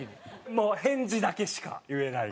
もう返事だけしか言えない。